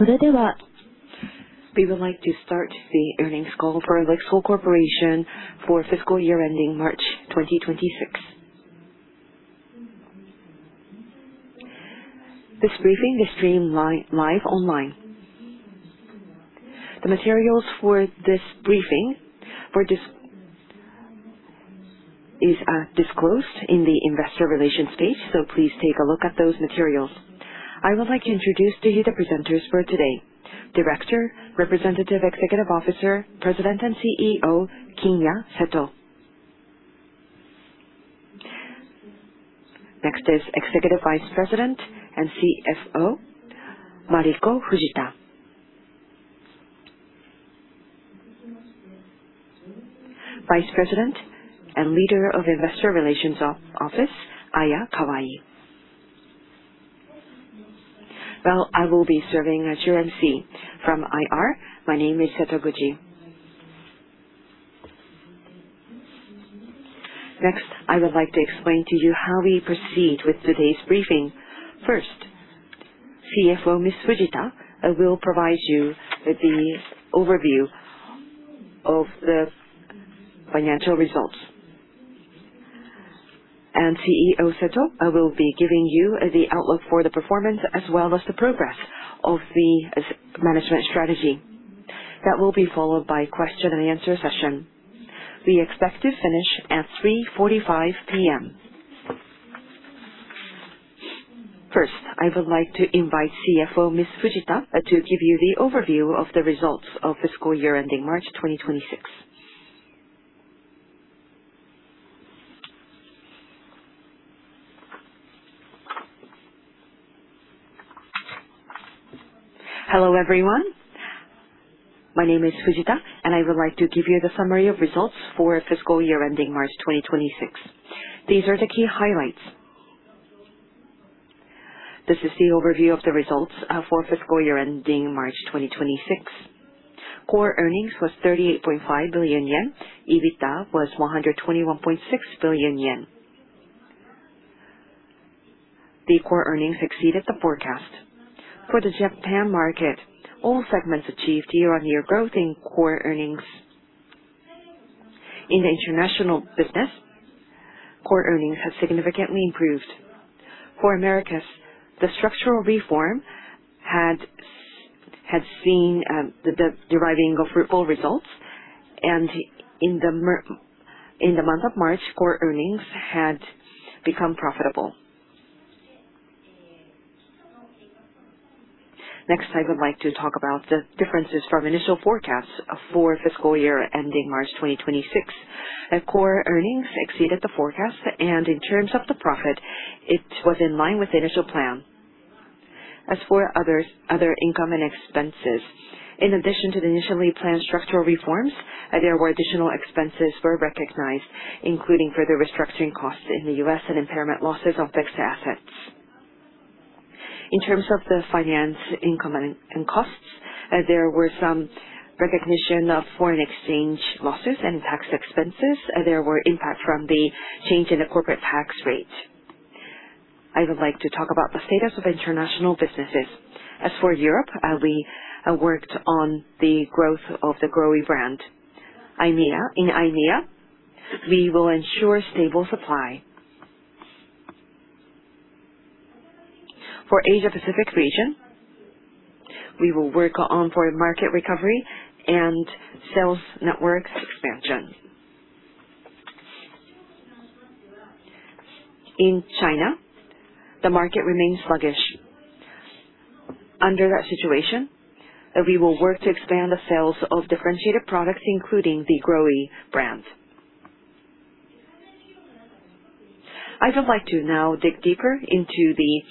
We would like to start the earnings call for LIXIL Corporation for fiscal year ending March 2026. This briefing is streaming live online. The materials for this briefing were disclosed in the Investor Relations page, so please take a look at those materials. I would like to introduce to you the presenters for today. Director, Representative Executive Officer, President and CEO, Kinya Seto. Next is Executive Vice President and CFO, Mariko Fujita. Vice President and Leader of Investor Relations Office, Aya Kawai. Well, I will be serving as your MC from IR. My name is Setoguchi. Next, I would like to explain to you how we proceed with today's briefing. First, CFO Ms. Fujita will provide you with the overview of the financial results. CEO Seto will be giving you the outlook for the performance as well as the progress of the management strategy. That will be followed by question-and-answer session. We expect to finish at 3:45 P.M. First, I would like to invite CFO Ms. Fujita to give you the overview of the results of fiscal year ending March 2026. Hello, everyone. My name is Fujita, I would like to give you the summary of results for fiscal year ending March 2026. These are the key highlights. This is the overview of the results for fiscal year ending March 2026. Core earnings was 38.5 billion yen. EBITDA was 121.6 billion yen. The core earnings exceeded the forecast. For the Japan market, all segments achieved year-on-year growth in core earnings. In the international business, core earnings have significantly improved. For Americas, the structural reform had seen the deriving of fruitful results. In the month of March, core earnings had become profitable. Next, I would like to talk about the differences from initial forecasts for fiscal year ending March 2026. The core earnings exceeded the forecast. In terms of the profit, it was in line with the initial plan. As for others, other income and expenses, in addition to the initially planned structural reforms, additional expenses were recognized, including further restructuring costs in the U.S. and impairment losses on fixed assets. In terms of the finance income and costs, there were some recognition of foreign exchange losses and tax expenses. There were impact from the change in the corporate tax rate. I would like to talk about the status of international businesses. As for Europe, we worked on the growth of the GROHE brand. EMEA. In EMEA, we will ensure stable supply. For Asia Pacific region, we will work on for market recovery and sales network expansion. In China, the market remains sluggish. Under that situation, we will work to expand the sales of differentiated products, including the GROHE brand. I would like to now dig deeper into the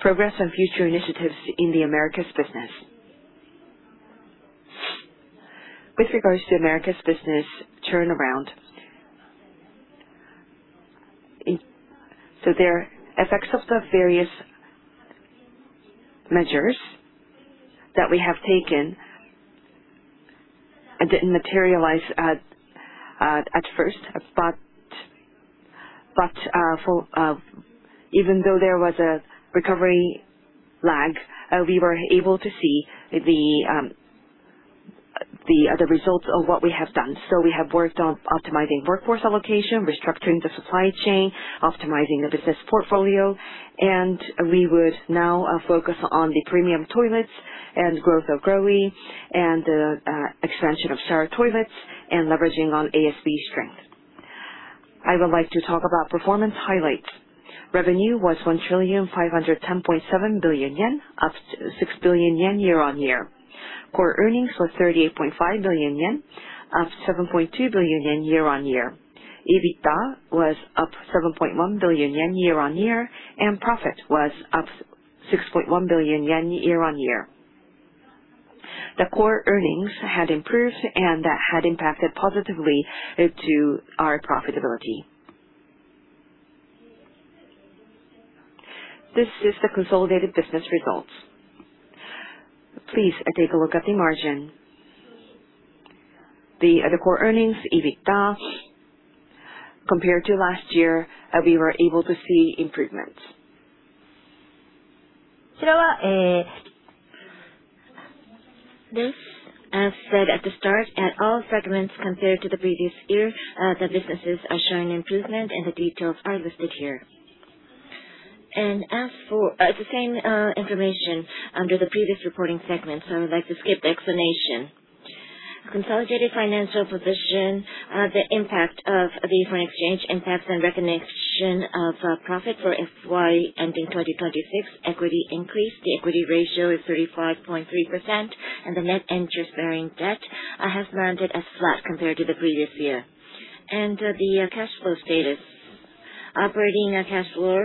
progress on future initiatives in the Americas business. With regards to Americas business turnaround. There are effects of the various measures that we have taken and didn't materialize at first. Even though there was a recovery lag, we were able to see the results of what we have done. We have worked on optimizing workforce allocation, restructuring the supply chain, optimizing the business portfolio, and we would now focus on the premium toilets and growth of GROHE and the expansion of Saraya toilets, and leveraging on ASB strength. I would like to talk about performance highlights. Revenue was 1,510.7 billion yen, up 6 billion yen year-on-year. Core earnings was 38.5 billion yen, up 7.2 billion yen year-on-year. EBITDA was up 7.1 billion yen year-on-year, and profit was up 6.1 billion yen year-on-year. The core earnings had improved and that had impacted positively to our profitability. This is the consolidated business results. Please take a look at the margin. The other core earnings, EBITDA, compared to last year, we were able to see improvements. This, as said at the start, at all segments compared to the previous year, the businesses are showing improvement. The details are listed here. It is the same information under the previous reporting segment. I would like to skip the explanation. Consolidated financial position, the impact of the foreign exchange impacts and recognition of profit for FY 2026, equity increased. The equity ratio is 35.3%. The net interest-bearing debt has landed as flat compared to the previous year. The cash flow status. Operating cash flow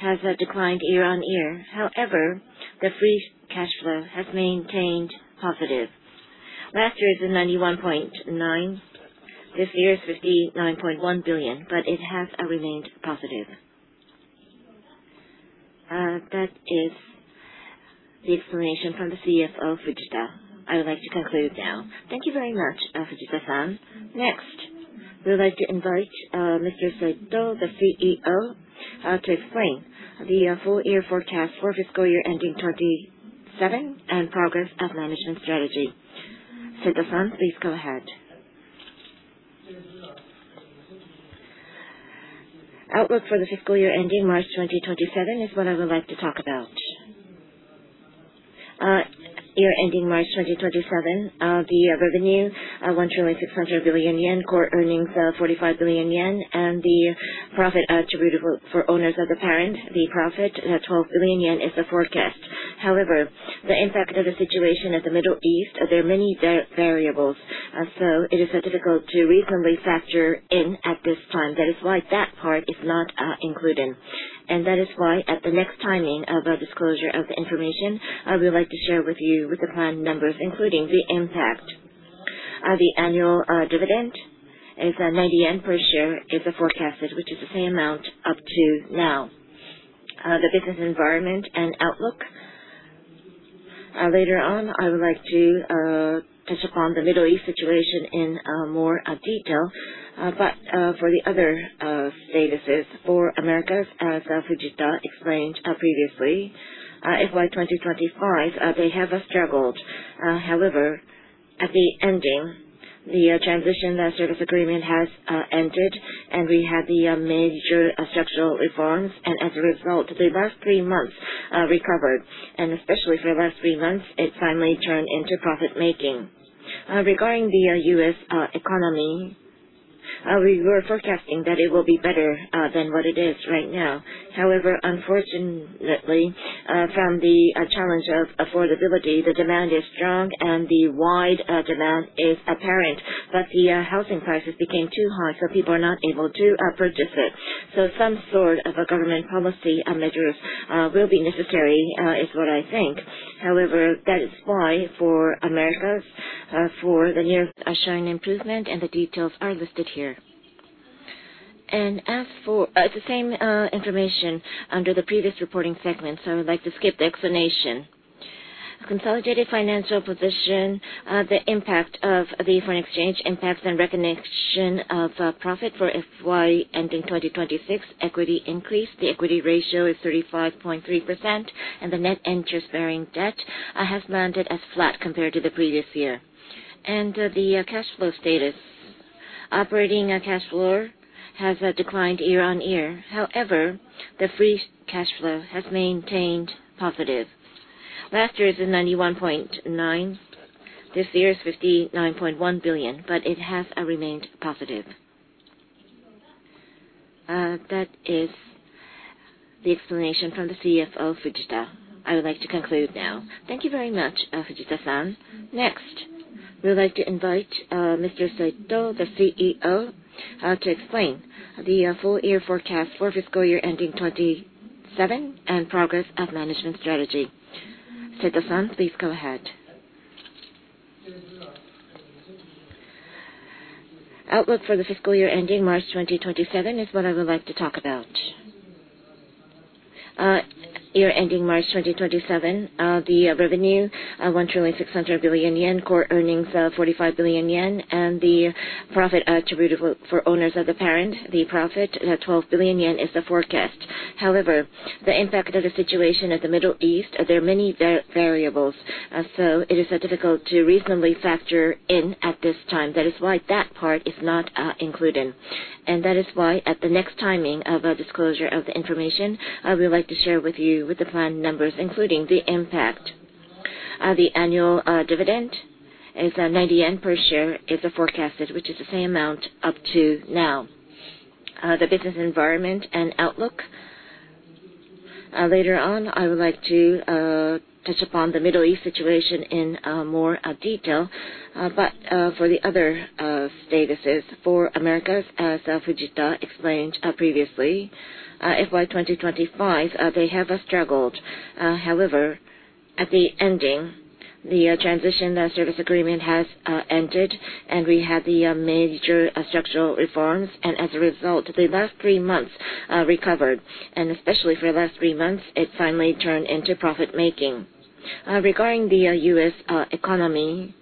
has declined year-on-year. However, the free cash flow has maintained positive. Last year is 91.9 billion. This year is 59.1 billion. It has remained positive. That is the explanation from the CFO, Fujita. I would like to conclude now. Thank you very much, Fujita-san. Next, we would like to invite Mr. Seto, the CEO, to explain the full year forecast for fiscal year ending 2027 and progress of management strategy. Seto-san, please go ahead. Outlook for the fiscal year ending March 2027 is what I would like to talk about. Year ending March 2027, the revenue, 1.6 trillion, core earnings, 45 billion yen, and the profit attributable for owners of the parent, the profit, 12 billion yen is the forecast. However, the impact of the situation in the Middle East, there are many variables, so it is difficult to reasonably factor in at this time. That is why that part is not included. That is why at the next timing of disclosure of the information, I would like to share with you with the planned numbers, including the impact. The annual dividend is 90 yen per share is forecasted, which is the same amount up to now. The business environment and outlook. Later on, I would like to touch upon the Middle East situation in more detail. For the other statuses for Americas, as Fujita explained previously, FY 2025, they have struggled. However, at the ending, the transition service agreement has ended, and we had the major structural reforms. As a result, the last three months recovered, and especially for the last three months, it finally turned into profit-making. Regarding the U.S. economy,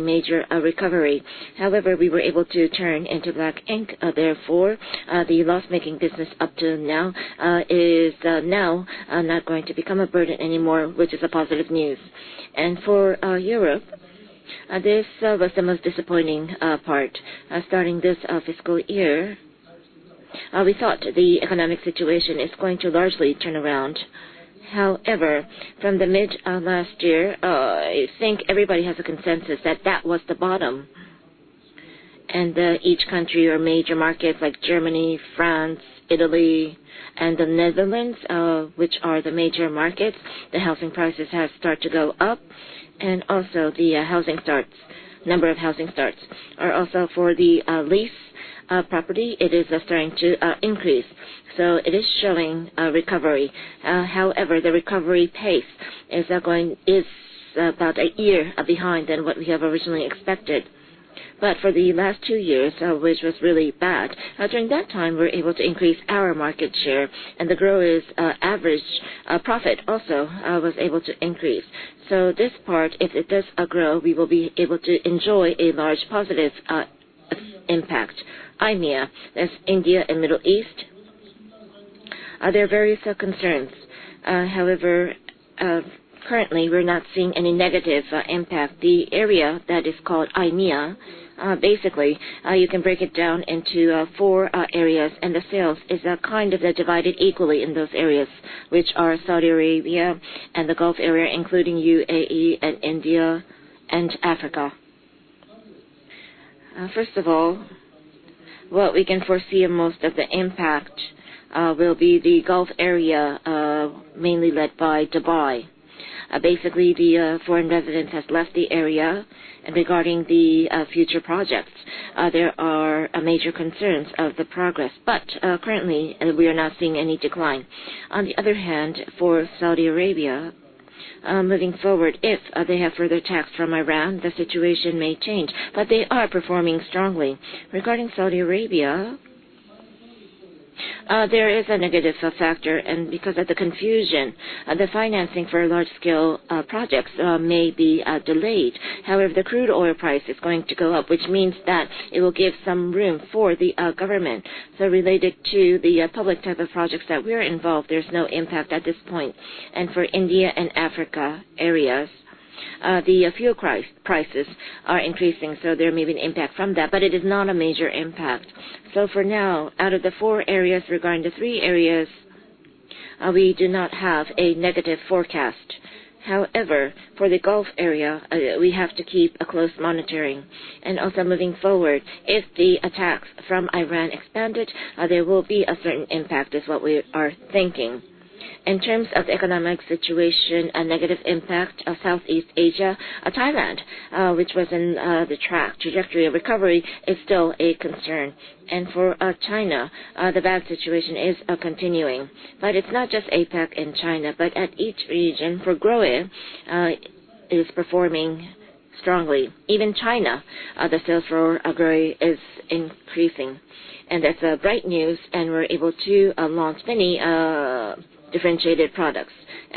major recovery. We were able to turn into black ink. The loss-making business up to now, is now not going to become a burden anymore, which is a positive news. For Europe, this was the most disappointing part. Starting this fiscal year, we thought the economic situation is going to largely turn around. From the mid last year, I think everybody has a consensus that that was the bottom. Each country or major markets like Germany, France, Italy, and the Netherlands, which are the major markets, the housing prices have started to go up. Also the housing starts, number of housing starts are also for the lease property, it is starting to increase. It is showing a recovery. The recovery pace is going, is about a year behind than what we have originally expected. For the last two years, which was really bad, during that time, we were able to increase our market share, and GROHE's, average profit also was able to increase. This part, if it does grow, we will be able to enjoy a large positive impact. EMEA, that's India and Middle East, there are various concerns. Currently, we're not seeing any negative impact. The area that is called EMEA, basically, you can break it down into four areas, and the sales is kind of divided equally in those areas, which are Saudi Arabia and the Gulf area, including UAE and India and Africa. First of all, what we can foresee in most of the impact, will be the Gulf area, mainly led by Dubai. Basically, the foreign residents have left the area. Regarding the future projects, there are major concerns of the progress. Currently, we are not seeing any decline. On the other hand, for Saudi Arabia, moving forward, if they have further attacks from Iran, the situation may change. They are performing strongly. Regarding Saudi Arabia, there is a negative factor because of the confusion, the financing for large-scale projects may be delayed. However, the crude oil price is going to go up, which means that it will give some room for the government. Related to the public type of projects that we're involved, there's no impact at this point. For India and Africa areas, the fuel price, prices are increasing, there may be an impact from that, but it is not a major impact. For now, out of the four areas, regarding the three areas, we do not have a negative forecast. However, for the Gulf area, we have to keep a close monitoring. Also moving forward, if the attacks from Iran expanded, there will be a certain impact is what we are thinking. In terms of economic situation, a negative impact of Southeast Asia, Thailand, which was in the trajectory of recovery is still a concern. For China, the bad situation is continuing. It's not just APAC and China, but at each region for GROHE is performing strongly. Even China, the sales for GROHE is increasing. That's bright news, and we're able to launch many differentiated products.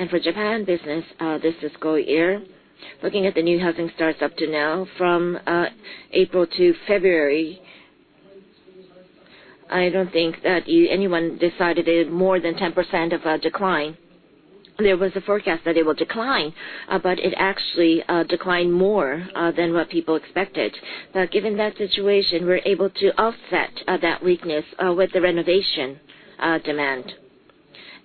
For Japan business, this fiscal year, looking at the new housing starts up to now from April to February, I don't think that anyone decided it more than 10% of decline. There was a forecast that it will decline, but it actually declined more than what people expected. Given that situation, we're able to offset that weakness with the renovation demand.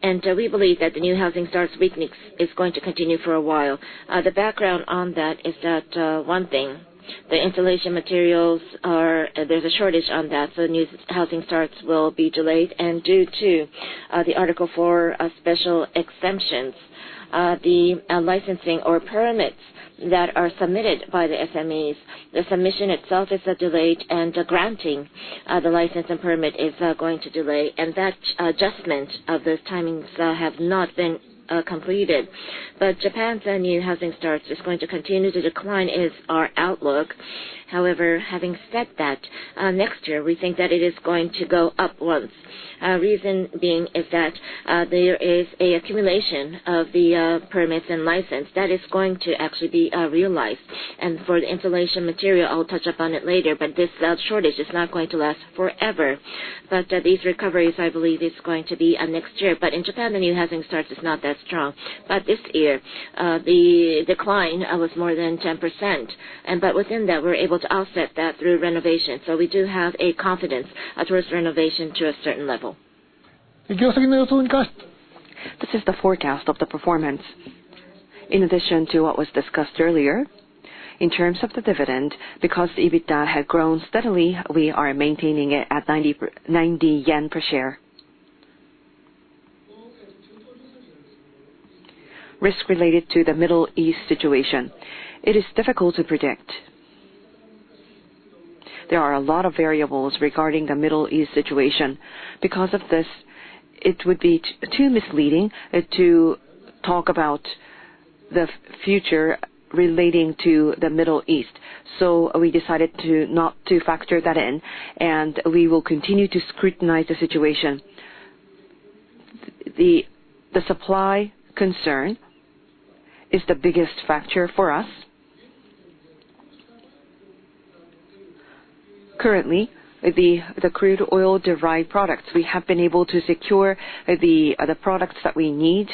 We believe that the new housing starts weakness is going to continue for a while. The background on that is that one thing, the insulation materials are, there's a shortage on that, so new housing starts will be delayed. Due to the Article IV special exemptions, the licensing or permits that are submitted by the SMEs, the submission itself is delayed, and the granting of the license and permit is going to delay. That adjustment of those timings have not been completed. Japan's new housing starts is going to continue to decline is our outlook. However, having said that, next year, we think that it is going to go up once. Reason being is that, there is a accumulation of the permits and license that is going to actually be realized. For the insulation material, I'll touch upon it later, but this shortage is not going to last forever. These recoveries, I believe, is going to be next year. In Japan, the new housing starts is not that strong. This year, the decline was more than 10%. Within that, we're able to offset that through renovation. We do have a confidence towards renovation to a certain level. This is the forecast of the performance. In addition to what was discussed earlier, in terms of the dividend, because EBITDA had grown steadily, we are maintaining it at 90 yen per share. Risk related to the Middle East situation. It is difficult to predict. There are a lot of variables regarding the Middle East situation. This, it would be too misleading to talk about the future relating to the Middle East. We decided not to factor that in, and we will continue to scrutinize the situation. The supply concern is the biggest factor for us. Currently, the crude oil-derived products, we have been able to secure the products that we need.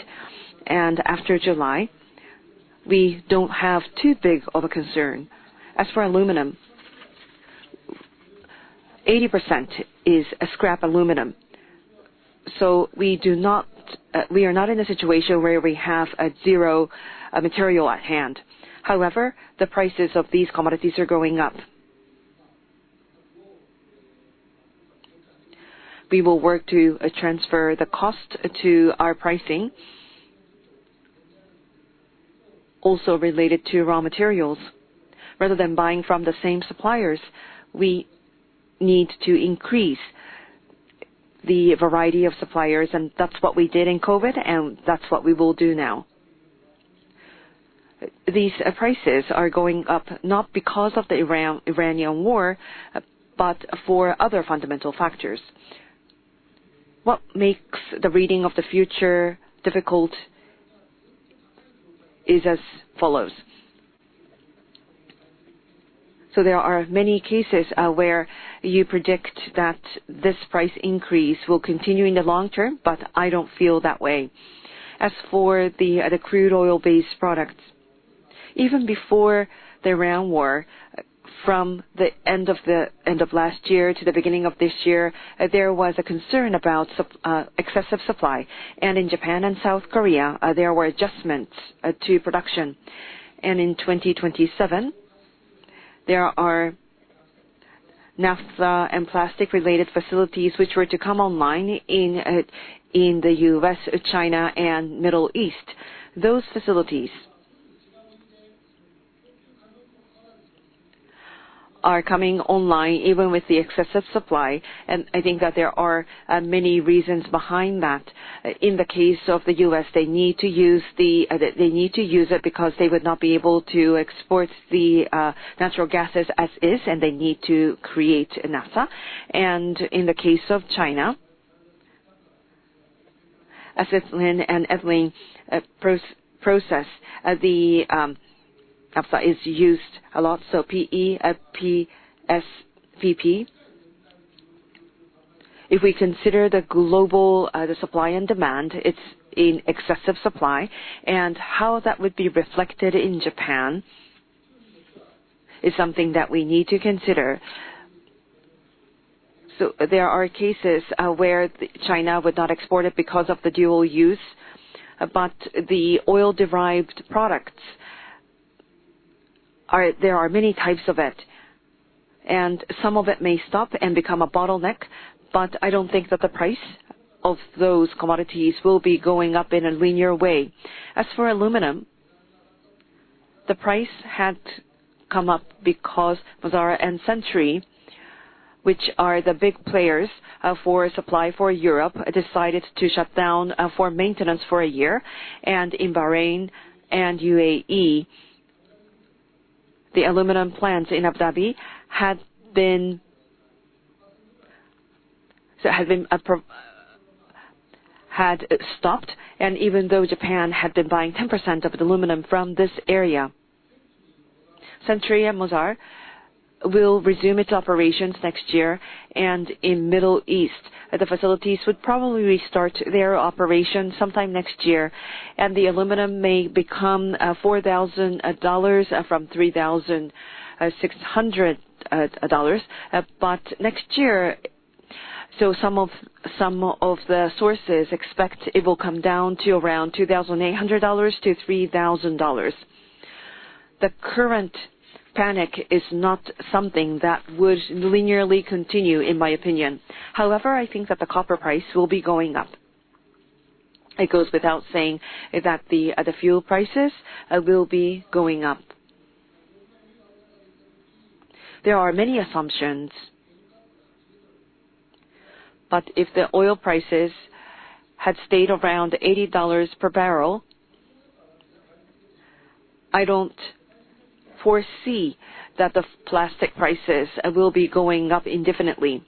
After July, we don't have too big of a concern. As for aluminum, 80% is a scrap aluminum. We do not, we are not in a situation where we have a zero material at hand. However, the prices of these commodities are going up. We will work to transfer the cost to our pricing. Also related to raw materials, rather than buying from the same suppliers, we need to increase the variety of suppliers, and that's what we did in COVID, and that's what we will do now. These prices are going up not because of the Iran-Iranian war, but for other fundamental factors. What makes the reading of the future difficult is as follows. There are many cases, where you predict that this price increase will continue in the long term, but I don't feel that way. As for the crude oil-based products, even before the Iran war, from the end of last year to the beginning of this year, there was a concern about excessive supply. In Japan and South Korea, there were adjustments to production. In 2027, there are naphtha and plastic-related facilities which were to come online in the U.S., China, and Middle East. Those facilities are coming online even with the excessive supply, and I think that there are many reasons behind that. In the case of the U.S., they need to use it because they would not be able to export the natural gases as is, and they need to create naphtha. In the case of China, ethylene and ethylene process, the naphtha is used a lot, so PE, PS, PP. If we consider the global supply and demand, it's in excessive supply, and how that would be reflected in Japan is something that we need to consider. There are cases where China would not export it because of the dual-use, but the oil-derived products are. There are many types of it, and some of it may stop and become a bottleneck, but I don't think that the price of those commodities will be going up in a linear way. As for aluminum, the price had come up because Mozal and Century Aluminum, which are the big players, for supply for Europe, decided to shut down for maintenance for a year. In Bahrain and UAE, the aluminum plants in Abu Dhabi had stopped. Even though Japan had been buying 10% of the aluminum from this area, Century and Mozal will resume its operations next year. In Middle East, the facilities would probably restart their operations sometime next year. The aluminum may become $4,000 from $3,600. Next year, some of the sources expect it will come down to around $2,800-$3,000. The current panic is not something that would linearly continue, in my opinion. I think that the copper price will be going up. It goes without saying that the fuel prices will be going up. There are many assumptions. If the oil prices had stayed around $80 per barrel, I don't foresee that the plastic prices will be going up indefinitely.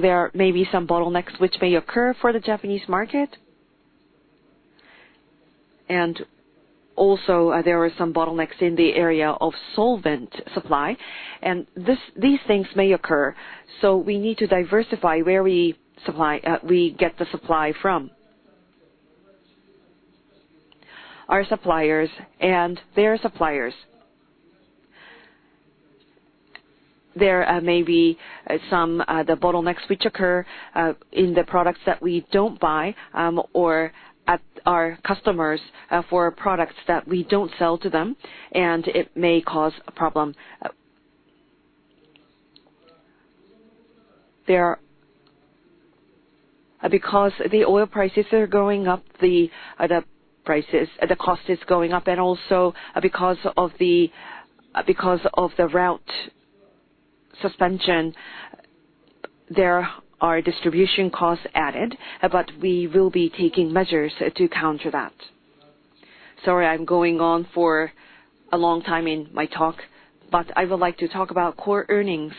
There may be some bottlenecks which may occur for the Japanese market. Also, there are some bottlenecks in the area of solvent supply. These things may occur, so we need to diversify where we supply, we get the supply from. Our suppliers and their suppliers. There may be some the bottlenecks which occur in the products that we don't buy, or at our customers, for products that we don't sell to them, and it may cause a problem. Because the oil prices are going up, the prices, the cost is going up and also because of the route suspension, there are distribution costs added, but we will be taking measures to counter that. Sorry, I'm going on for a long time in my talk, but I would like to talk about core earnings.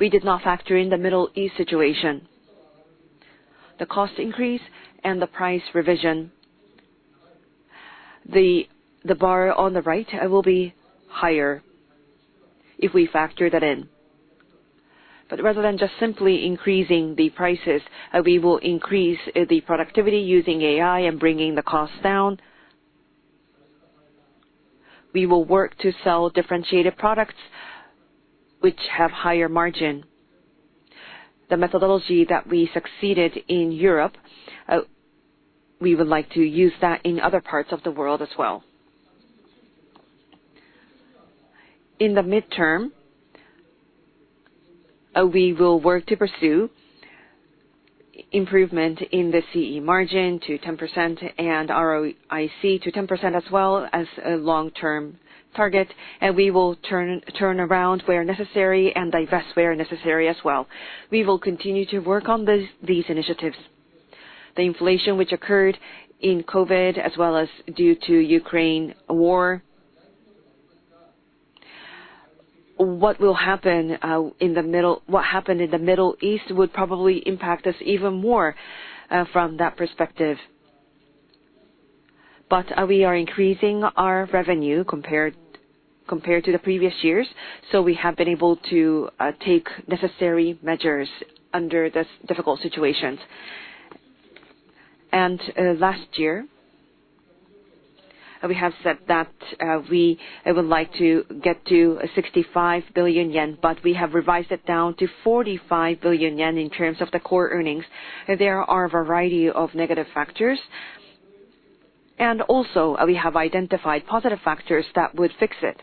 We did not factor in the Middle East situation. The cost increase and the price revision. The bar on the right will be higher if we factor that in. Rather than just simply increasing the prices, we will increase the productivity using AI and bringing the cost down. We will work to sell differentiated products which have higher margin. The methodology that we succeeded in Europe, we would like to use that in other parts of the world as well. In the midterm, we will work to pursue improvement in the CE margin to 10% and ROIC to 10% as well as a long-term target, and we will turn around where necessary and divest where necessary as well. We will continue to work on these initiatives. The inflation which occurred in COVID as well as due to Ukraine war. What will happen, what happened in the Middle East would probably impact us even more from that perspective. We are increasing our revenue compared to the previous years. We have been able to take necessary measures under the difficult situations. Last year, we have said that we would like to get to 65 billion yen, but we have revised it down to 45 billion yen in terms of the core earnings. There are a variety of negative factors. We have identified positive factors that would fix it.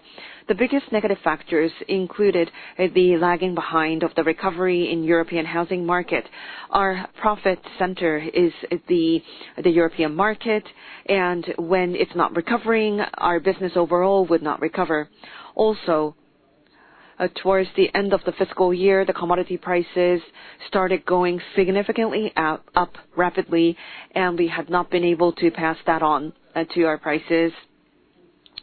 The biggest negative factors included the lagging behind of the recovery in European housing market. Our profit center is the European market, and when it's not recovering, our business overall would not recover. Towards the end of the fiscal year, the commodity prices started going significantly up rapidly, and we have not been able to pass that on to our prices.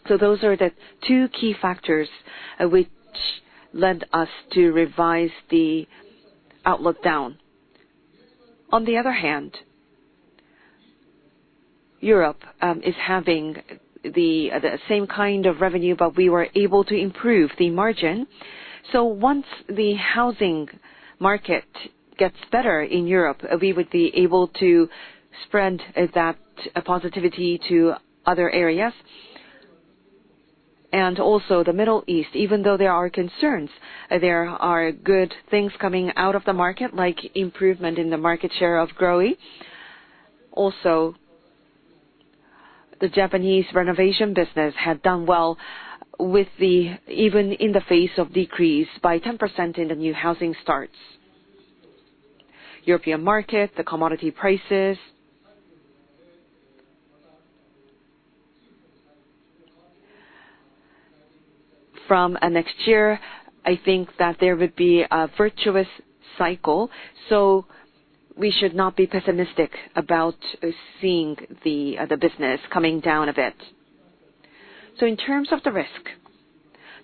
Those are the two key factors which led us to revise the outlook down. On the other hand, Europe is having the same kind of revenue, but we were able to improve the margin. Also the Middle East, even though there are concerns, there are good things coming out of the market, like improvement in the market share of GROHE. Also, the Japanese renovation business had done well even in the face of decrease by 10% in the new housing starts. European market, the commodity prices. From next year, I think that there would be a virtuous cycle, so we should not be pessimistic about seeing the business coming down a bit. In terms of the risk,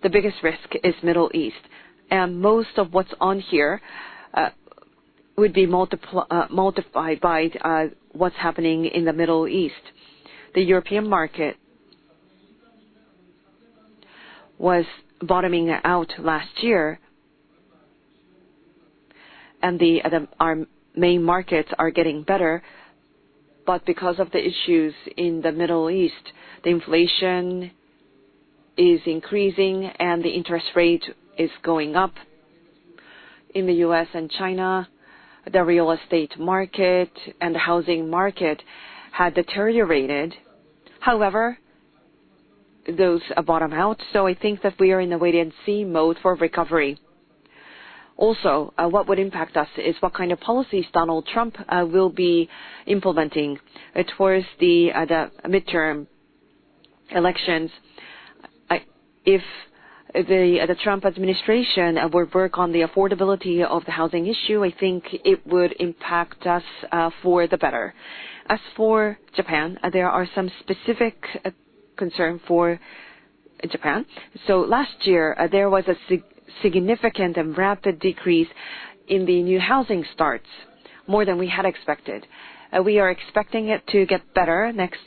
the biggest risk is Middle East, and most of what's on here would be multiplied by what's happening in the Middle East. The European market was bottoming out last year. Our main markets are getting better. Because of the issues in the Middle East, the inflation is increasing and the interest rate is going up. In the U.S. and China, the real estate market and the housing market had deteriorated. However, those bottom out, so I think that we are in a wait-and-see mode for recovery. Also, what would impact us is what kind of policies Donald Trump will be implementing towards the midterm elections. If the Trump administration would work on the affordability of the housing issue, I think it would impact us for the better. As for Japan, there are some specific concern for Japan. last year, there was a significant and rapid decrease in the new housing starts, more than we had expected. We are expecting it to get better next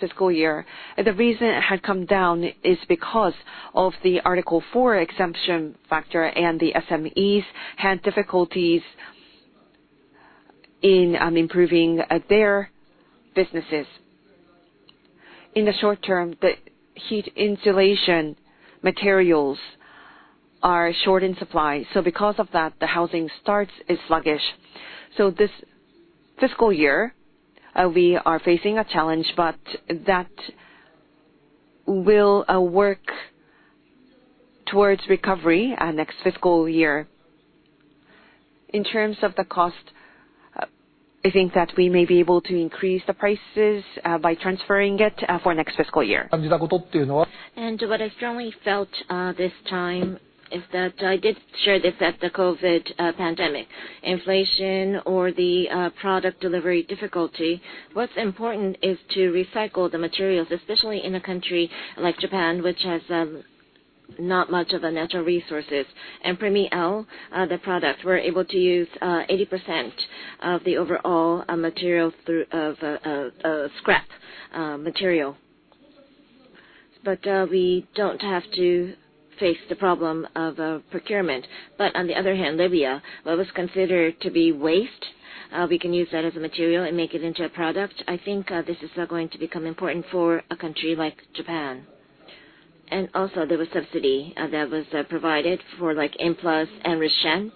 fiscal year. The reason it had come down is because of the Article IV exemption factor and the SMEs had difficulties in improving their businesses. In the short term, the heat insulation materials are short in supply, so because of that, the housing starts is sluggish. This fiscal year, we are facing a challenge, but that will work towards recovery next fiscal year. In terms of the cost, I think that we may be able to increase the prices by transferring it for next fiscal year. What I strongly felt this time is that I did share this at the COVID pandemic. Inflation or the product delivery difficulty, what's important is to recycle the materials, especially in a country like Japan, which has not much of a natural resources. For me, the product, we're able to use 80% of the overall material through of scrap material. We don't have to face the problem of procurement. On the other hand, revia, what was considered to be waste, we can use that as a material and make it into a product. I think this is now going to become important for a country like Japan. Also there was subsidy that was provided for like M plus and RICHELLE.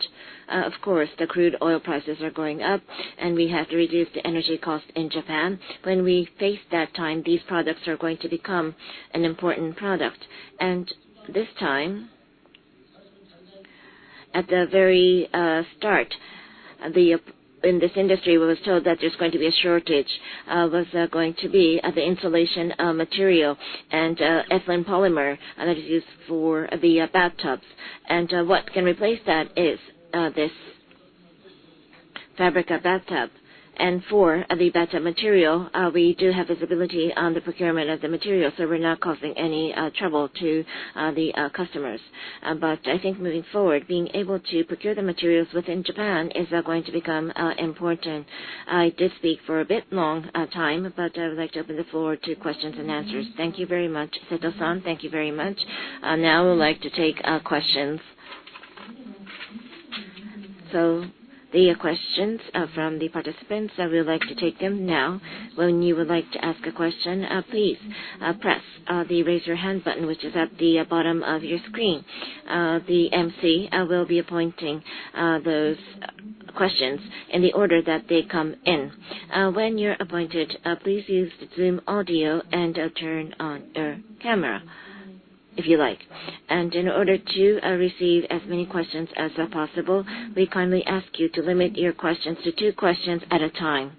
Of course, the crude oil prices are going up, and we have to reduce the energy cost in Japan. When we face that time, these products are going to become an important product. This time, at the very start, in this industry, we were told that there's going to be a shortage of the insulation material and ethylene polymer that is used for the bathtubs. What can replace that is this fabric bathtub. For the bathtub material, we do have visibility on the procurement of the material, so we're not causing any trouble to the customers. I think moving forward, being able to procure the materials within Japan is going to become important. I did speak for a bit long time, but I would like to open the floor to questions and answers. Thank you very much. Seto-san, thank you very much. Now I would like to take questions. The questions from the participants, I would like to take them now. When you would like to ask a question, please press the Raise Your Hand button, which is at the bottom of your screen. The MC will be appointing those questions in the order that they come in. When you're appointed, please use Zoom audio and turn on your camera if you like. In order to receive as many questions as possible, we kindly ask you to limit your questions to two questions at a time.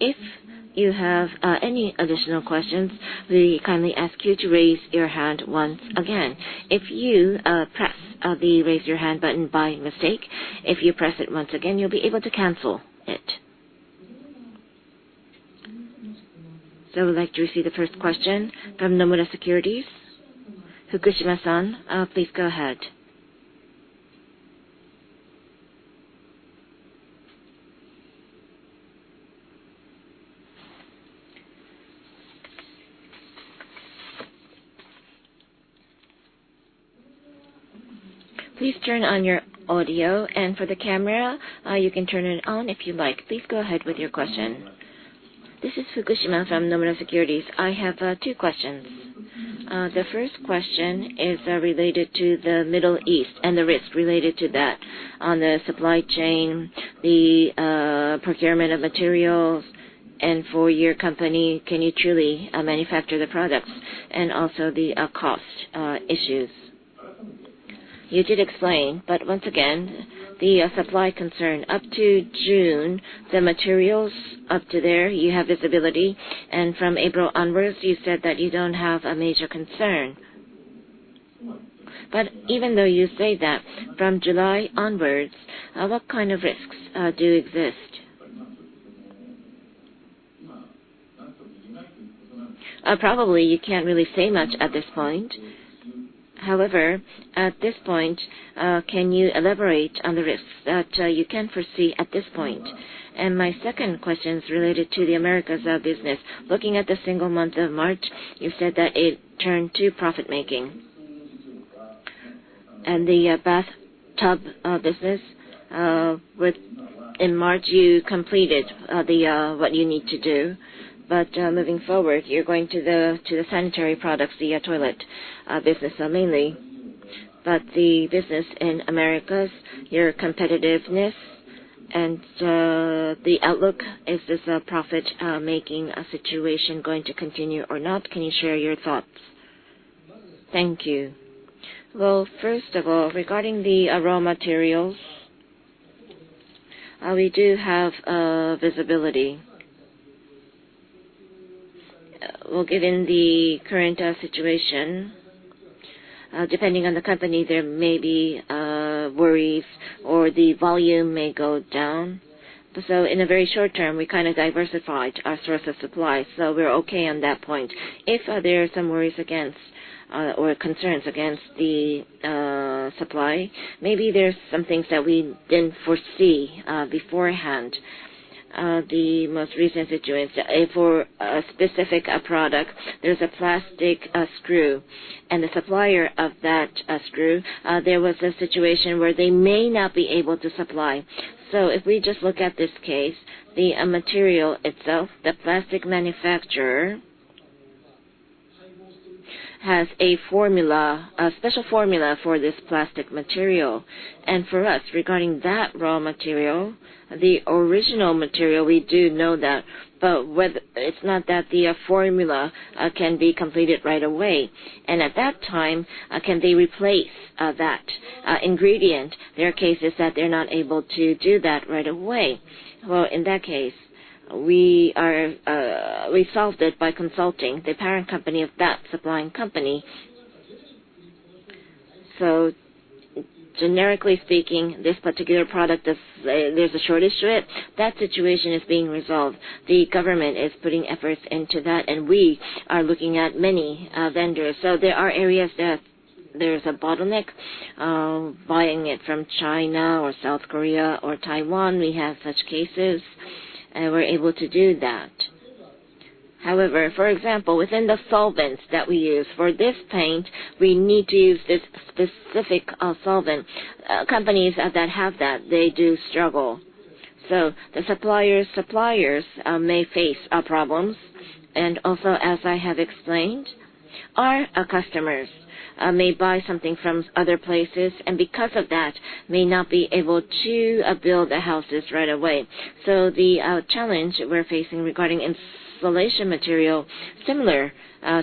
If you have any additional questions, we kindly ask you to raise your hand once again. If you press the Raise Your Hand button by mistake, if you press it once again, you'll be able to cancel it. I would like to receive the first question from Nomura Securities. Fukushima-san, please go ahead. Please turn on your audio. For the camera, you can turn it on if you like. Please go ahead with your question. This is Fukushima from Nomura Securities. I have two questions. The first question is related to the Middle East and the risk related to that on the supply chain, the procurement of materials, and for your company, can you truly manufacture the products? Also the cost issues. You did explain, but once again, the supply concern. Up to June, the materials up to there, you have visibility. From April onwards, you said that you don't have a major concern. Even though you say that, from July onwards, what kind of risks do exist? Probably you can't really say much at this point. However, at this point, can you elaborate on the risks that you can foresee at this point? My second question is related to the Americas business. Looking at the single month of March, you said that it turned to profit-making. The bathtub business. In March, you completed the what you need to do. Moving forward, you're going to the sanitary products, the toilet business mainly. The business in Americas, your competitiveness and the outlook, is this profit making a situation going to continue or not? Can you share your thoughts? Thank you. Well, first of all, regarding the raw materials, we do have visibility. Well, given the current situation, depending on the company, there may be worries or the volume may go down. In a very short term, we kind of diversified our source of supply, so we're okay on that point. If there are some worries against or concerns against the supply, maybe there's some things that we didn't foresee beforehand. The most recent situation, if for a specific product, there's a plastic screw, and the supplier of that screw, there was a situation where they may not be able to supply. If we just look at this case, the material itself, the plastic manufacturer has a formula, a special formula for this plastic material. For us, regarding that raw material, the original material, we do know that, but whether it's not that the formula can be completed right away. At that time, can they replace that ingredient? There are cases that they're not able to do that right away. In that case, we are, we solved it by consulting the parent company of that supplying company. Generically speaking, this particular product is, there's a shortage to it. That situation is being resolved. The government is putting efforts into that, and we are looking at many vendors. There are areas that there's a bottleneck, buying it from China or South Korea or Taiwan. We have such cases, and we're able to do that. However, for example, within the solvents that we use for this paint, we need to use this specific solvent. Companies that have that, they do struggle. The suppliers may face problems. Also, as I have explained, our customers may buy something from other places and because of that may not be able to build the houses right away. The challenge we're facing regarding installation material, similar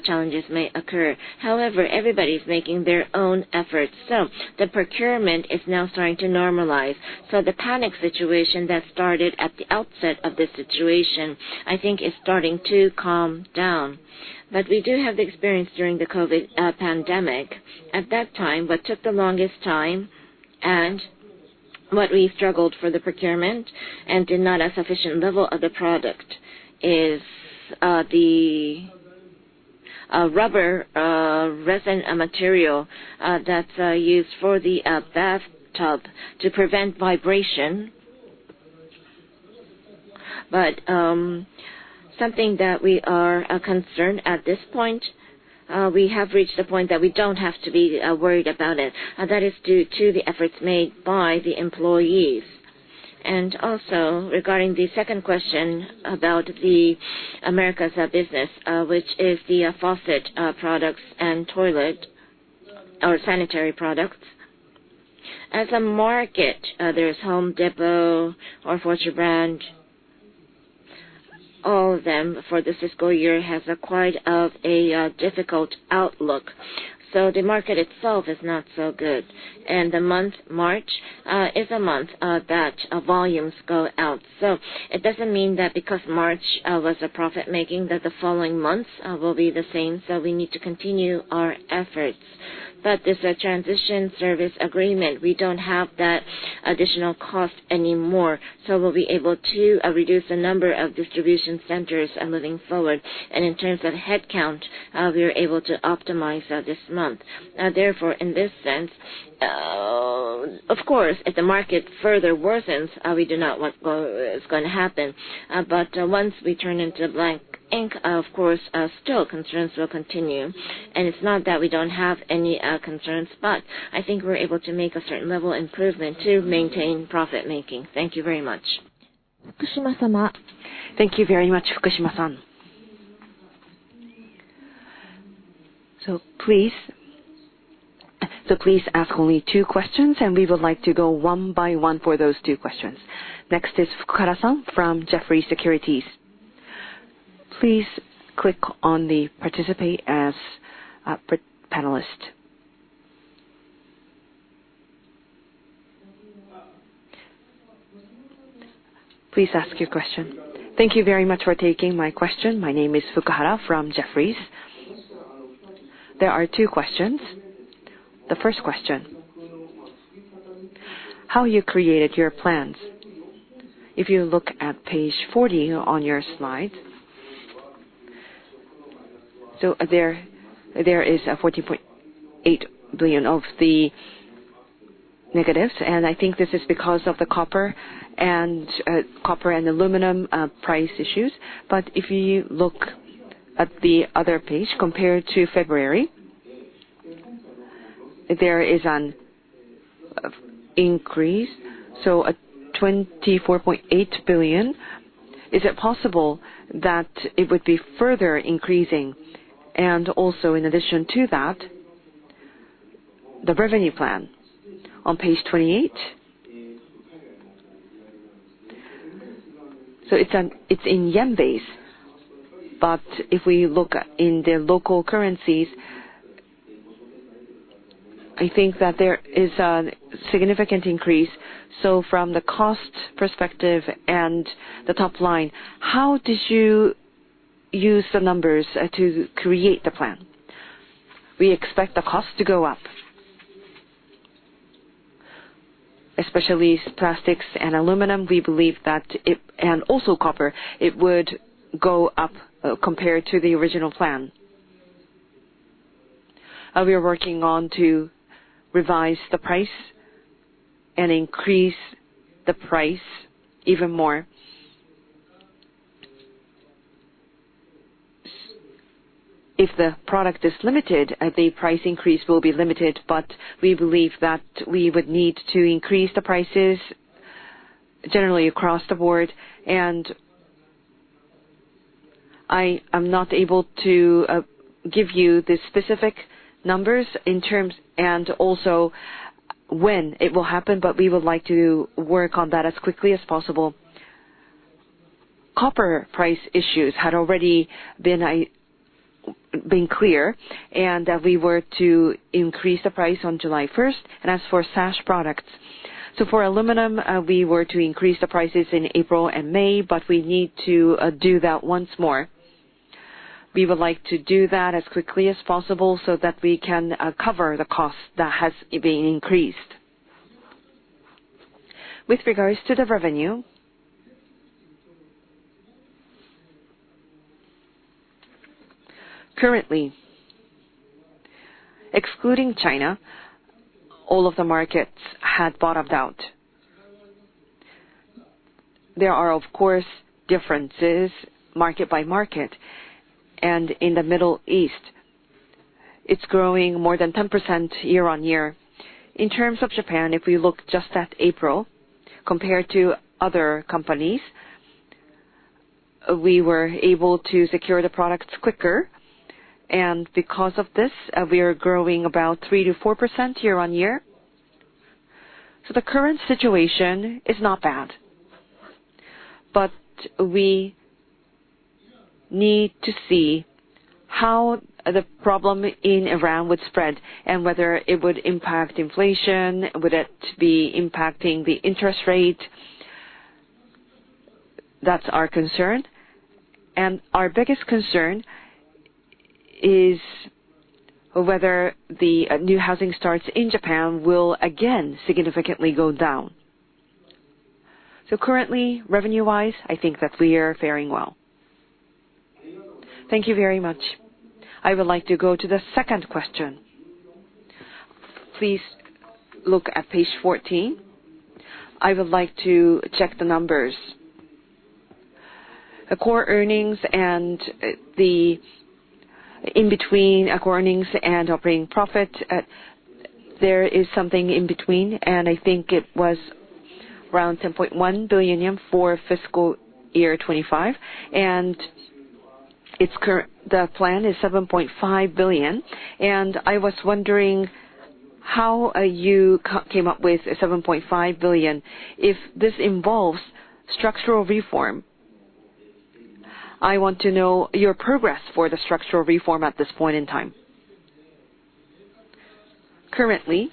challenges may occur. However, everybody's making their own efforts, so the procurement is now starting to normalize. The panic situation that started at the outset of this situation, I think is starting to calm down. We do have the experience during the COVID pandemic. At that time, what took the longest time and what we struggled for the procurement and did not have sufficient level of the product is the rubber resin material that's used for the bathtub to prevent vibration. Something that we are concerned at this point, we have reached a point that we don't have to be worried about it. That is due to the efforts made by the employees. Also regarding the second question about the Americas business, which is the faucet products and toilet or sanitary products. As a market, there's The Home Depot or Fortune Brands. All of them for this fiscal year has a quite of a difficult outlook. The market itself is not so good. The month March is a month that volumes go out. It doesn't mean that because March was a profit-making, that the following months will be the same. We need to continue our efforts. There's a transition service agreement. We don't have that additional cost anymore, so we'll be able to reduce the number of distribution centers moving forward. In terms of headcount, we are able to optimize this month. Therefore, in this sense, of course, if the market further worsens, we do not know what is going to happen. Once we turn into black ink, of course, still concerns will continue. It's not that we don't have any concerns, but I think we're able to make a certain level of improvement to maintain profit-making. Thank you very much. Thank you very much, Fukushima-san. Please ask only two questions. We would like to go one by one for those two questions. Next is Fukuhara-san from Jefferies Securities. Please click on the Participate As panelist. Please ask your question. Thank you very much for taking my question. My name is Fukuhara from Jefferies. There are two questions. The first question, how you created your plans? If you look at page 40 on your slide, there is a 40.8 billion of the negatives. I think this is because of the copper and aluminum price issues. If you look at the other page compared to February, there is an increase, so a 24.8 billion. Is it possible that it would be further increasing? Also in addition to that, the revenue plan on page 28. It's in yen base. If we look at, in the local currencies, I think that there is a significant increase. From the cost perspective and the top line, how did you use the numbers to create the plan? We expect the cost to go up. Especially plastics and aluminum, we believe that it and also copper, it would go up compared to the original plan. We are working on to revise the price and increase the price even more. If the product is limited, the price increase will be limited, but we believe that we would need to increase the prices generally across the board. I am not able to give you the specific numbers in terms and also when it will happen, but we would like to work on that as quickly as possible. Copper price issues had already been clear, and that we were to increase the price on July 1st and as for sash products. For aluminum, we were to increase the prices in April and May, but we need to do that once more. We would like to do that as quickly as possible so that we can cover the cost that has been increased. With regards to the revenue. Currently, excluding China, all of the markets had bottomed out. There are, of course, differences market by market and in the Middle East it's GROHE more than 10% year-on-year. In terms of Japan, if we look just at April compared to other companies, we were able to secure the products quicker and because of this, we are GROHE about 3%-4% year-over-year. The current situation is not bad. We need to see how the problem in Iran would spread and whether it would impact inflation. Would it be impacting the interest rate? That's our concern. Our biggest concern is whether the new housing starts in Japan will again significantly go down. Currently, revenue-wise, I think that we are faring well. Thank you very much. I would like to go to the second question. Please look at page 14. I would like to check the numbers. The core earnings and the in between core earnings and operating profit, there is something in between, and I think it was around 10.1 billion yen for FY 2025. It's the plan is 7.5 billion. I was wondering how you came up with 7.5 billion, if this involves structural reform. I want to know your progress for the structural reform at this point in time. Currently,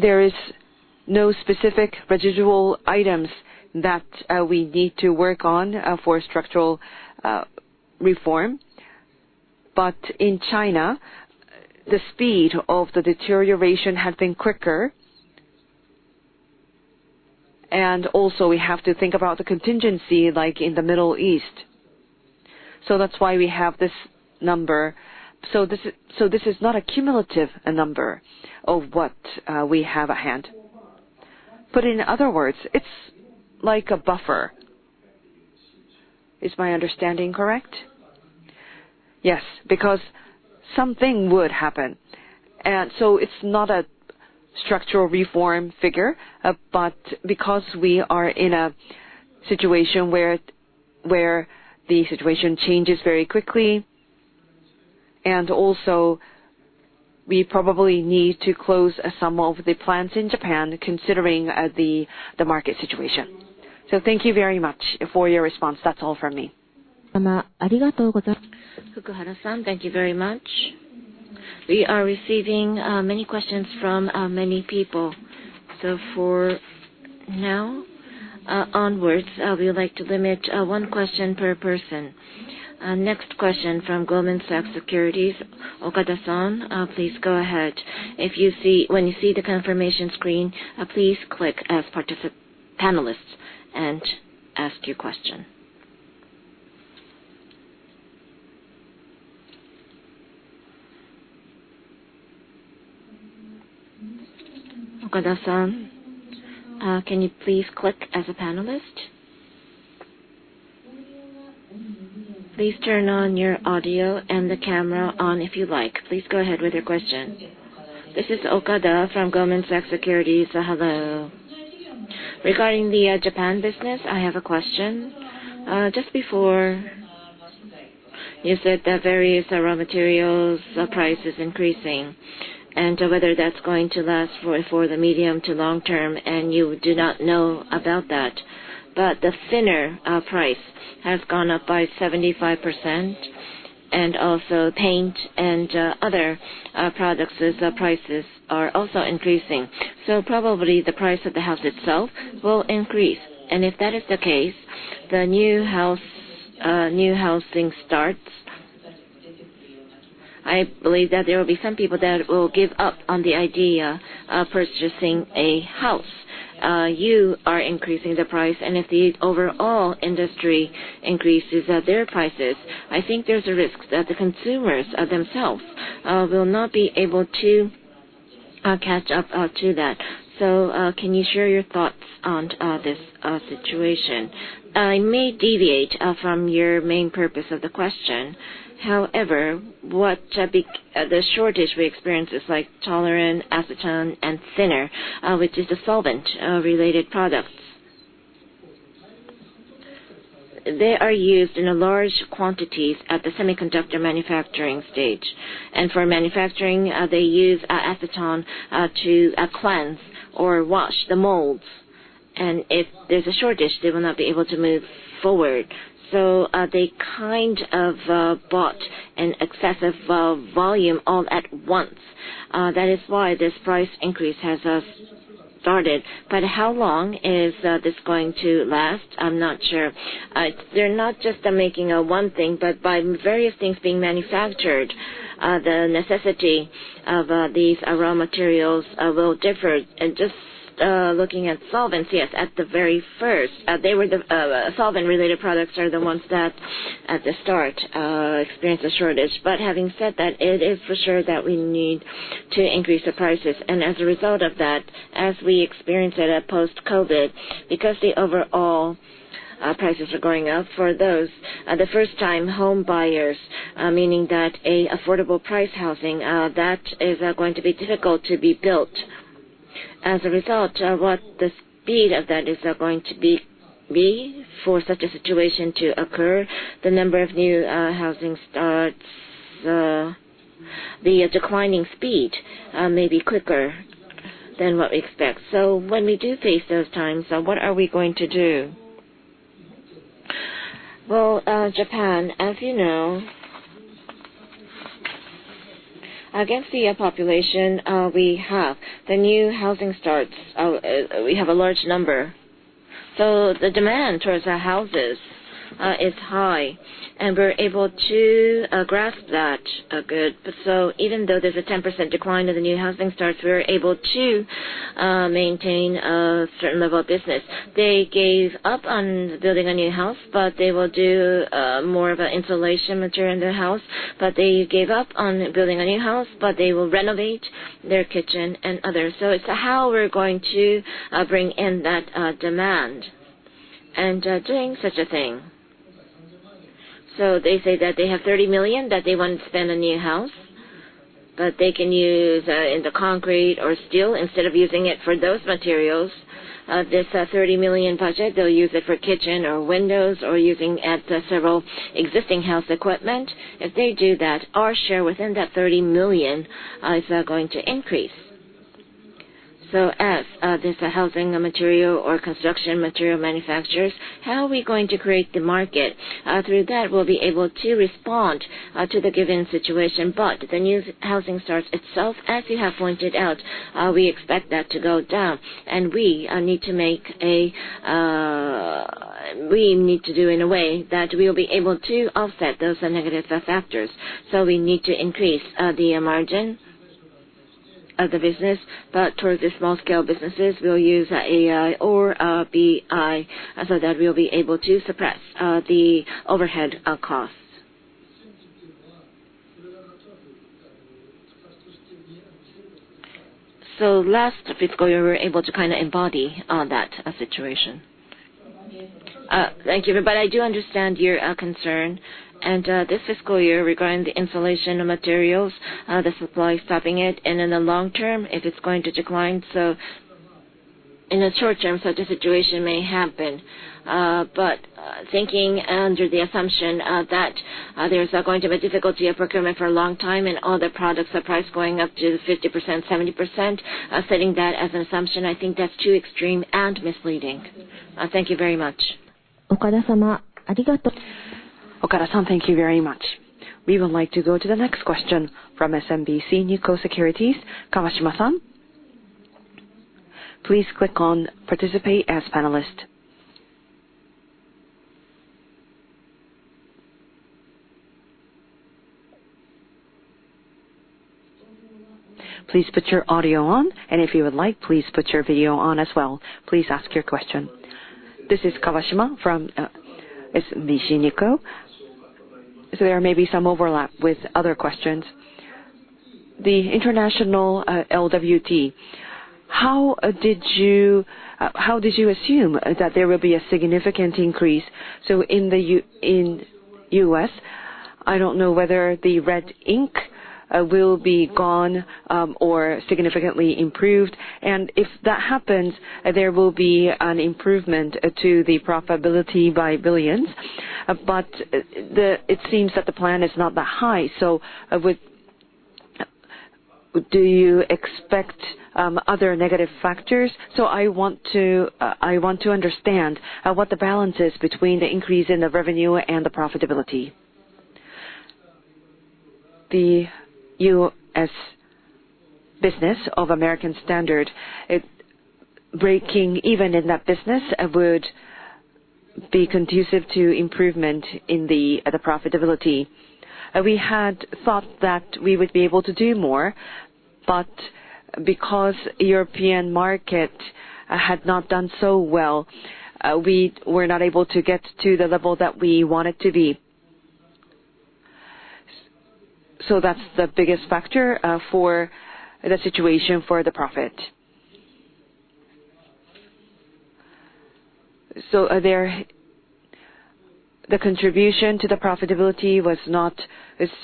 there is no specific residual items that we need to work on for structural reform. In China, the speed of the deterioration has been quicker. Also, we have to think about the contingency like in the Middle East. That's why we have this number. This, so this is not a cumulative number of what we have at hand. In other words, it's like a buffer. Is my understanding correct? Yes, because something would happen. It's not a structural reform figure, but because we are in a situation where the situation changes very quickly, and also we probably need to close some of the plants in Japan considering the market situation. Thank you very much for your response. That's all from me. Thank you very much. We are receiving many questions from many people. For now, onwards, we would like to limit one question per person. Next question from Goldman Sachs Securities, Okada-san, please go ahead. If you see, when you see the confirmation screen, please click as panelist and ask your question. Okada-san, can you please click as a panelist? Please turn on your audio and the camera on if you like. Please go ahead with your question. This is Okada from Goldman Sachs Securities. Hello. Regarding the Japan business, I have a question. Just before you said the various raw materials, the price is increasing and whether that's going to last for the medium to long term and you do not know about that. The thinner price has gone up by 75% and also paint and other products' prices are also increasing. Probably the price of the house itself will increase. If that is the case, the new house, new housing starts, I believe that there will be some people that will give up on the idea of purchasing a house. You are increasing the price and if the overall industry increases their prices, I think there's a risk that the consumers themselves will not be able to catch up to that. Can you share your thoughts on this situation? It may deviate from your main purpose of the question. However, what the shortage we experience is like toluene, acetone and thinner, which is the solvent related products. They are used in large quantities at the semiconductor manufacturing stage. For manufacturing, they use acetone to cleanse or wash the molds. If there's a shortage, they will not be able to move forward. They kind of bought an excessive volume all at once. That is why this price increase has started. How long is this going to last? I'm not sure. They're not just making one thing, but by various things being manufactured, the necessity of these raw materials will differ. Just looking at solvents, yes, at the very first, they were the solvent-related products are the ones that at the start experienced a shortage. Having said that, it is for sure that we need to increase the prices. As a result of that, as we experience it at post-COVID, because the overall prices are going up for those, the first time home buyers, meaning that affordable price housing, that is going to be difficult to be built. As a result, what the speed of that is going to be for such a situation to occur, the number of new housing starts, the declining speed, may be quicker than what we expect. When we do face those times, what are we going to do? Japan, as you know, against the population, we have the new housing starts, we have a large number. The demand towards our houses is high, and we're able to grasp that good. Even though there's a 10% decline in the new housing starts, we're able to maintain a certain level of business. They gave up on building a new house, they will do more of an insulation material in their house. They gave up on building a new house, they will renovate their kitchen and others. It's how we're going to bring in that demand and doing such a thing. They say that they have 30 million that they want to spend on a new house, but they can use in the concrete or steel instead of using it for those materials. This 30 million budget, they'll use it for kitchen or windows or using at several existing house equipment. If they do that, our share within that 30 million is going to increase. As this housing material or construction material manufacturers, how are we going to create the market? Through that, we'll be able to respond to the given situation. The new housing starts itself, as you have pointed out, we expect that to go down and we need to do in a way that we'll be able to offset those negative factors. We need to increase the margin of the business. Towards the small scale businesses, we'll use AI or BI so that we'll be able to suppress the overhead costs. Last fiscal year, we were able to kind of embody that situation. Thank you. I do understand your concern. This fiscal year regarding the insulation materials, the supply stopping it and in the long term if it's going to decline. In the short term, such a situation may happen. Thinking under the assumption that there's going to be difficulty of procurement for a long time and all the products are priced going up to 50%, 70%, setting that as an assumption, I think that's too extreme and misleading. Thank you very much. Okada-san, thank you very much. We would like to go to the next question from SMBC Nikko Securities, Kawashima-san. Please click on participate as panelist. Please put your audio on, and if you would like, please put your video on as well. Please ask your question. This is Kawashima from SMBC Nikko. There may be some overlap with other questions. The international LWT, how did you assume that there will be a significant increase? In the U.S., I don't know whether the red ink will be gone or significantly improved. If that happens, there will be an improvement to the profitability by billions. It seems that the plan is not that high. Do you expect other negative factors? I want to, I want to understand what the balance is between the increase in the revenue and the profitability. The U.S. business of American Standard, it breaking even in that business would be conducive to improvement in the profitability. We had thought that we would be able to do more, but because European market had not done so well, we were not able to get to the level that we wanted to be. That's the biggest factor for the situation for the profit. There, the contribution to the profitability was not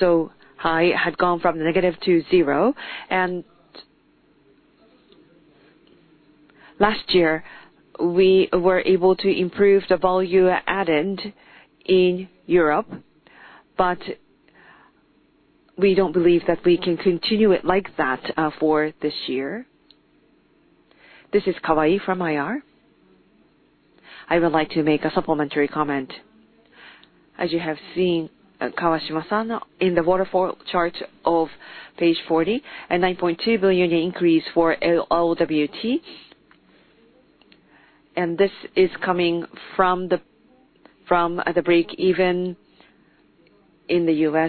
so high. It had gone from negative to zero. Last year, we were able to improve the value added in Europe, but we don't believe that we can continue it like that for this year. This is Kawai from IR. I would like to make a supplementary comment. As you have seen, Kawashima-san, in the waterfall chart of page 40, a 9.2 billion increase for LWT. This is coming from the break-even in the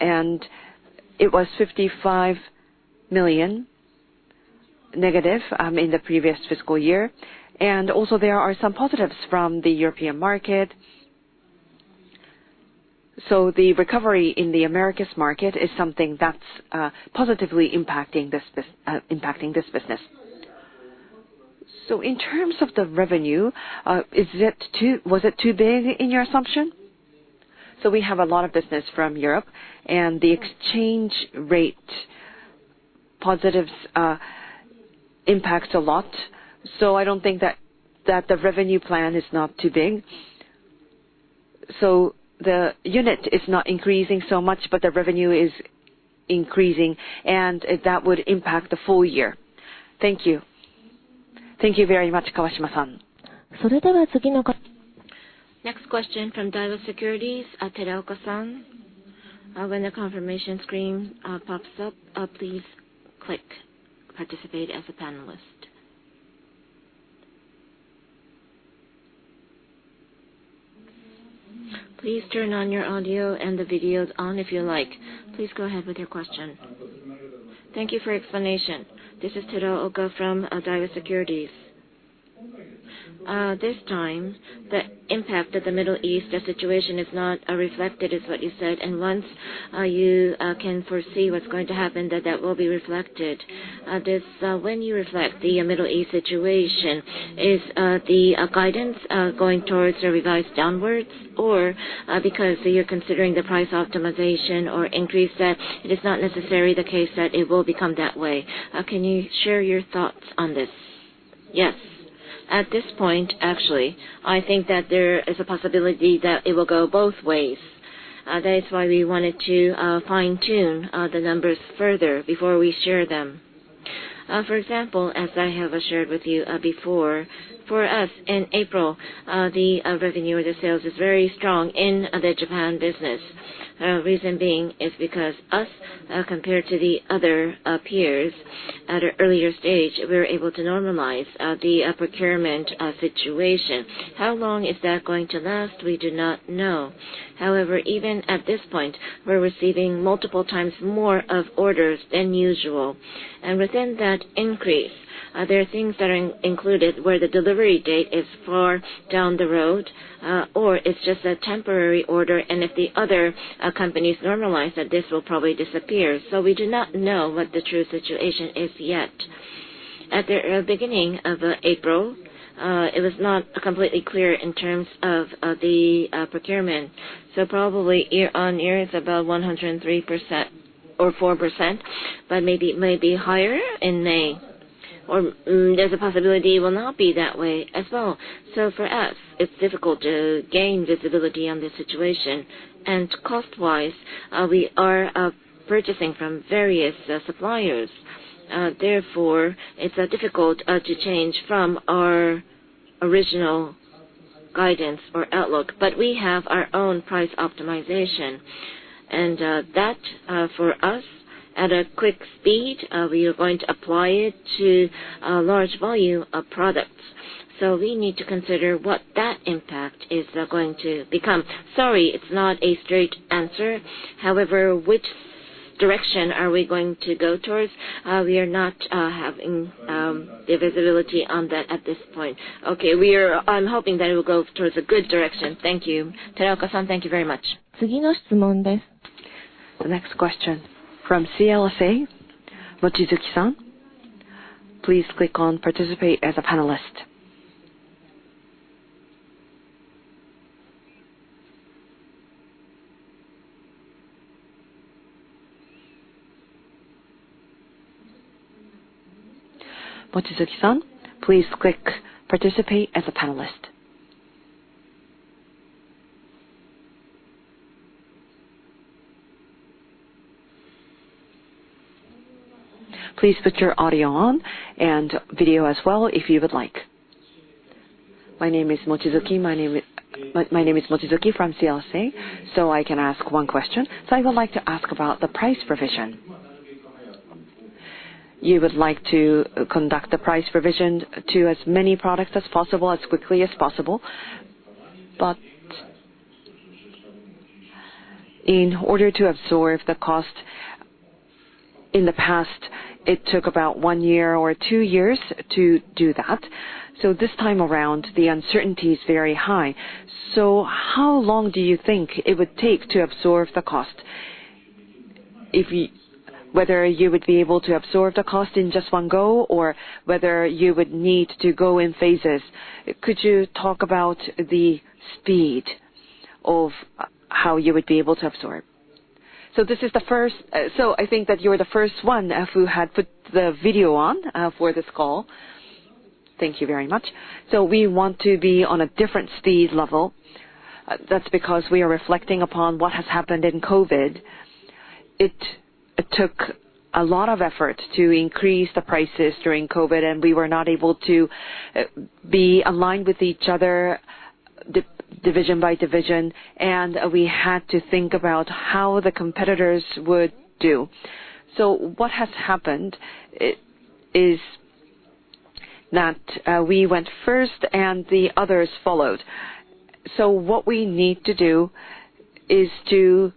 U.S. It was 55 million negative in the previous fiscal year. Also, there are some positives from the European market. The recovery in the Americas market is something that is positively impacting this business. In terms of the revenue, was it too big in your assumption? We have a lot of business from Europe and the exchange rate positives impacts a lot. I don't think that the revenue plan is not too big. The unit is not increasing so much, but the revenue is increasing, and that would impact the full year. Thank you. Thank you very much, Kawashima-san. Next question from Daiwa Securities, Teraoka-san. When the confirmation screen pops up, please click Participate as a Panelist. Please turn on your audio and the videos on if you like. Please go ahead with your question. Thank you for explanation. This is Teraoka from Daiwa Securities. This time, the impact of the Middle East, the situation is not reflected, is what you said. Once you can foresee what's going to happen that that will be reflected. This, when you reflect the Middle East situation, is the guidance going towards a revised downwards? Because you're considering the price optimization or increase that it is not necessarily the case that it will become that way. Can you share your thoughts on this? Yes. At this point, actually, I think that there is a possibility that it will go both ways. That is why we wanted to fine-tune the numbers further before we share them. For example, as I have shared with you before, for us in April, the revenue or the sales is very strong in the Japan business. Reason being is because us, compared to the other peers at an earlier stage, we were able to normalize the procurement situation. How long is that going to last? We do not know. However, even at this point, we're receiving multiple times more of orders than usual. Within that increase, there are things that are included where the delivery date is far down the road, or it's just a temporary order, and if the other companies normalize, then this will probably disappear. We do not know what the true situation is yet. At the beginning of April, it was not completely clear in terms of the procurement. Probably year-on-year it's about 103% or 4%, but maybe it may be higher in May, or there's a possibility it will not be that way as well. For us, it's difficult to gain visibility on this situation. Cost-wise, we are purchasing from various suppliers. Therefore, it's difficult to change from our original guidance or outlook. We have our own price optimization. That, for us, at a quick speed, we are going to apply it to a large volume of products. We need to consider what that impact is going to become. Sorry, it's not a straight answer. However, which direction are we going to go towards? We are not having the visibility on that at this point. Okay. I'm hoping that it will go towards a good direction. Thank you. Teraoka-san, thank you very much. The next question from CLSA, Mochizuki-san. My name is Mochizuki from CLSA. I can ask one question. I would like to ask about the price provision. You would like to conduct the price provision to as many products as possible, as quickly as possible. In order to absorb the cost, in the past, it took about one year or two years to do that. This time around, the uncertainty is very high. How long do you think it would take to absorb the cost, whether you would be able to absorb the cost in just one go or whether you would need to go in phases? Could you talk about the speed of how you would be able to absorb? This is the first, so I think that you're the first one who had put the video on for this call. Thank you very much. We want to be on a different speed level. That's because we are reflecting upon what has happened in COVID. It took a lot of effort to increase the prices during COVID, and we were not able to be aligned with each other division by division, and we had to think about how the competitors would do. What has happened is that we went first and the others followed. What we need to do is to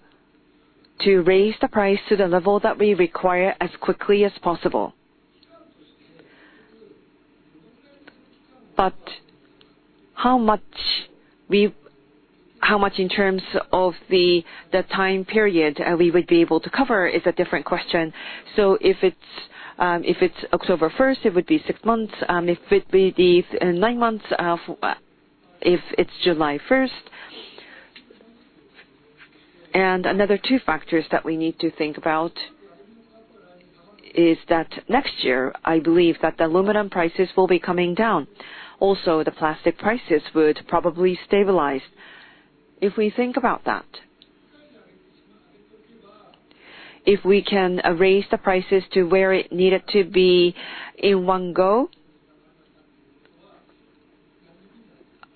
raise the price to the level that we require as quickly as possible. How much in terms of the time period, we would be able to cover is a different question. If it's, if it's October 1st, it would be six months, if it'd be nine months, if it's July 1st. Another two factors that we need to think about is that next year I believe that the aluminum prices will be coming down. Also, the plastic prices would probably stabilize. If we think about that, if we can raise the prices to where it needed to be in one go,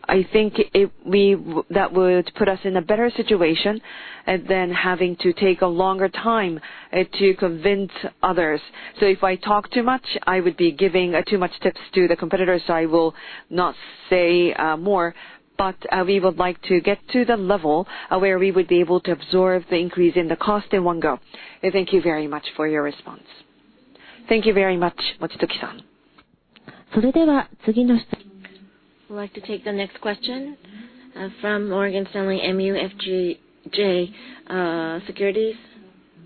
I think it, we, that would put us in a better situation than having to take a longer time to convince others. If I talk too much, I would be giving too much tips to the competitors, so I will not say more. We would like to get to the level of where we would be able to absorb the increase in the cost in one go. Thank you very much for your response. Thank you very much, Mochizuki-san. We'd like to take the next question from Morgan Stanley MUFG Securities,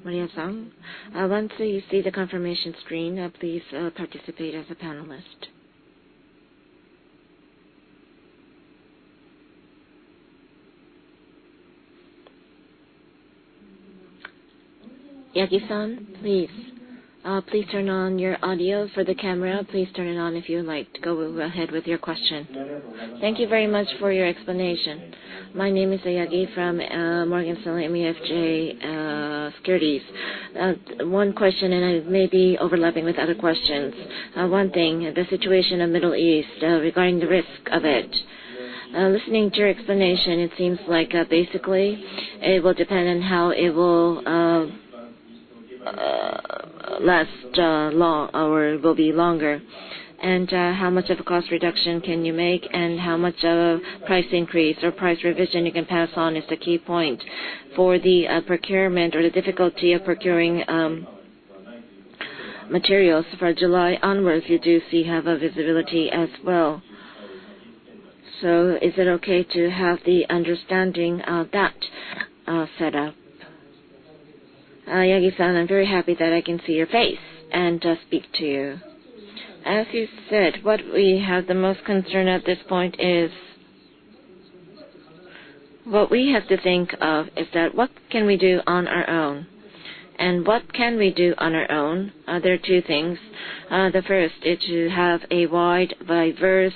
Maria-san. Once you see the confirmation screen, please participate as a panelist. Yagi-san, please turn on your audio for the camera. Please turn it on if you would like to go ahead with your question. Thank you very much for your explanation. My name is Yagi from Morgan Stanley MUFG Securities. One question, it may be overlapping with other questions. One thing, the situation in Middle East regarding the risk of it. Listening to your explanation, it seems like basically it will depend on how it will last long or will be longer. How much of a cost reduction can you make and how much of price increase or price revision you can pass on is the key point. For the procurement or the difficulty of procuring materials for July onwards, you do see, have a visibility as well. Is it okay to have the understanding of that set up? Yagi-san, I'm very happy that I can see your face and speak to you. As you said, what we have the most concern at this point is what we have to think of is that what can we do on our own? What can we do on our own? There are two things. The first is to have a wide, diverse